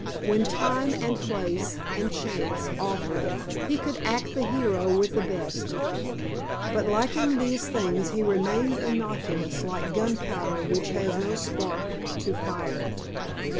When time, and place, and chance offered he could act the hero with the best; but lacking these things he remained innocuous like gunpowder which has no spark to fire it.